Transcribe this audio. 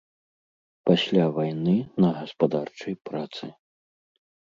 Пасля вайны на гаспадарчай працы.